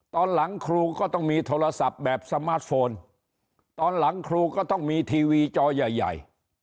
ตอนหลังครูก็ต้องมีโทรศัพท์แบบสมาร์ทโฟนตอนหลังครูก็ต้องมีทีวีจอใหญ่ใหญ่